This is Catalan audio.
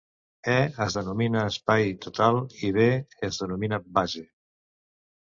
"E" es denomina espai total i "B" es denomina base.